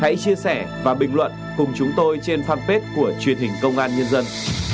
hãy chia sẻ và bình luận cùng chúng tôi trên fanpage của truyền hình công an nhân dân